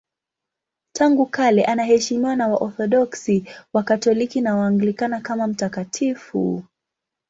Tangu kale anaheshimiwa na Waorthodoksi, Wakatoliki na Waanglikana kama mtakatifu.